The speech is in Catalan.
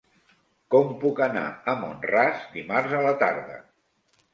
Com puc anar a Mont-ras dimarts a la tarda?